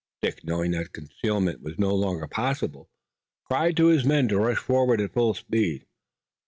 Dick, knowing that concealment was no longer possible, cried to his men to rush forward at full speed.